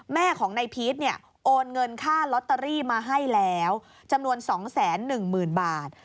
แม่ของนายพีชเนี่ยโอนเงินค่าลอตเตอรี่มาให้แล้วจำนวน๒๑๐๐๐บาท